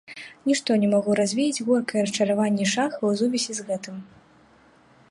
Нішто не магло развеяць горкае расчараванне шаха ў сувязі з гэтым.